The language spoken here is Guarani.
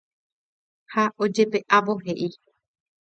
ha ojepe'ávo he'i